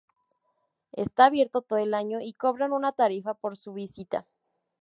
Está abierto todo el año y cobran una tarifa por su visita.